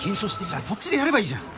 じゃあそっちでやればいいじゃん。